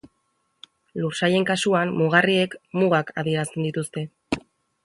Lursailen kasuan mugarriek mugak adierazten dituzte.